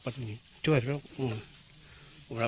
พันให้หมดตั้ง๓คนเลยพันให้หมดตั้ง๓คนเลย